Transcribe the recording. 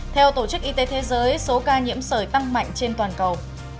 theo tổ chức y tế thế giới số ca nhiễm sởi tăng mạnh trên toàn cầu